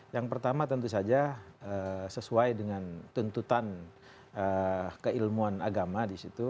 yang pertama tentu saja sesuai dengan tuntutan keilmuan agama di situ